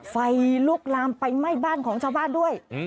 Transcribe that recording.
ไฟลุกลามไปไหม้บ้านของชาวบ้านด้วย